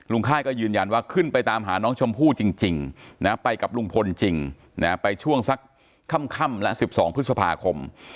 ค่ายก็ยืนยันว่าขึ้นไปตามหาน้องชมพู่จริงนะไปกับลุงพลจริงไปช่วงสักค่ำละ๑๒พฤษภาคม